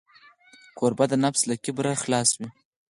کوربه د نفس له کبره خلاص وي.